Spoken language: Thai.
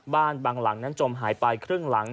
บางหลังนั้นจมหายไปครึ่งหลัง